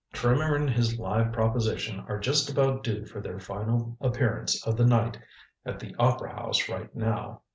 Trimmer and his live proposition are just about due for their final appearance of the night at the opera house right now.